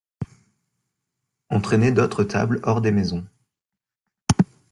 On traînait d'autres tables hors des maisons.